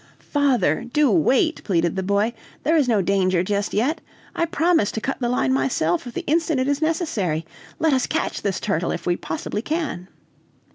"Father! do wait!" pleaded the boy, "there is no danger just yet? I promise to cut the line myself the instant it is necessary! Let us catch this turtle if we possibly can."